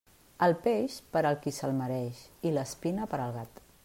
El peix, per al qui se'l mereix, i l'espina per al gat.